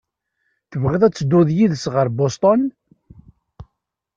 Tebɣiḍ ad tedduḍ yid-s ɣer Boston?